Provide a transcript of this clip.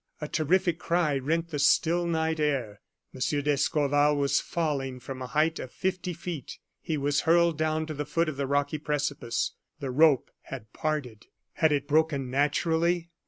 A terrific cry rent the still night air. M. d'Escorval was falling from a height of fifty feet; he was hurled down to the foot of the rocky precipice. The rope had parted. Had it broken naturally?